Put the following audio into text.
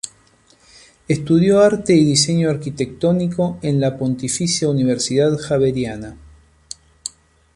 Estudió Arte y Diseño Arquitectónico en la Pontificia Universidad Javeriana.